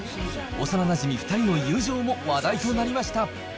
幼なじみ２人の友情も話題となりました。